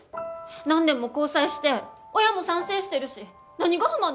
何年も交際して親も賛成してるし何が不満なわけ？